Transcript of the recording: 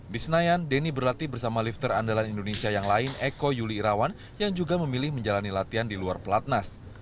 di senayan denny berlatih bersama lifter andalan indonesia yang lain eko yuli irawan yang juga memilih menjalani latihan di luar pelatnas